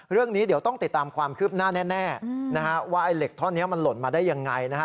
เรื่องนี้เดี๋ยวต้องติดตามความคืบหน้าแน่นะฮะว่าไอ้เหล็กท่อนนี้มันหล่นมาได้ยังไงนะฮะ